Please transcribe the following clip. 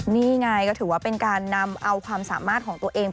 นี่ไงก็ถือว่าเป็นการนำเอาความสามารถของตัวเอง